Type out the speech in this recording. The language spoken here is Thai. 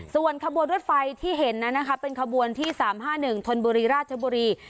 ส่วนขบวนรถไฟที่เห็นนั้นนะคะเป็นขบวนที่๓๕๑ธนบุรีราชบุรี